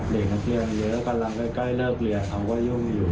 เด็กนักเรียนเยอะกำลังใกล้เลิกเรียนเขาก็ยุ่งอยู่